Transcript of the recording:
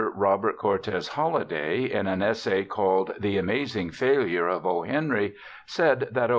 Robert Cortes Holliday, in an essay called "The Amazing Failure of O. Henry," said that O.